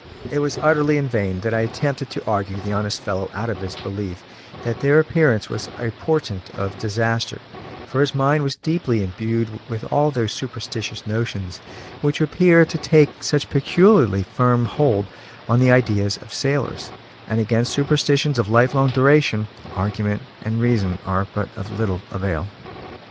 It was utterly in vain that I attempted to argue the honest fellow out of his belief that their appearance was a portent of disaster, for his mind was deeply imbued with all those superstitious notions which appear to take such peculiarly firm hold on the ideas of sailors; and against superstitions of lifelong duration, argument and reason are of but little avail.